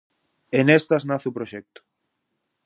E nestas nace o proxecto.